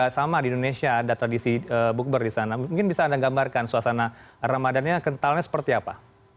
sama di indonesia ada tradisi bukber di sana mungkin bisa anda gambarkan suasana ramadannya kentalnya seperti apa